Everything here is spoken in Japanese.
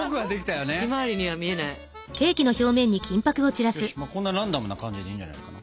よしこんなランダムな感じでいいんじゃないかな。